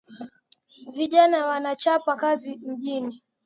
Vijana wanachapa kazi mjini